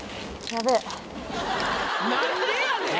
何でやねん！